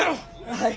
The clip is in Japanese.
はい。